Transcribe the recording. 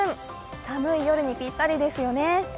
寒い夜にぴったりですよね。